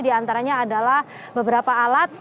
di antaranya adalah beberapa alat